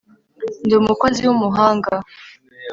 ndi umukozi wumuhanga